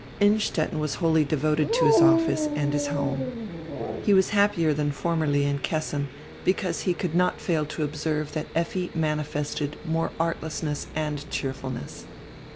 Innstetten was wholly devoted to his office and his home. He was happier than formerly in Kessin, hecause he could not fail to observe that Effi manifested more ardessness and cheerfulness.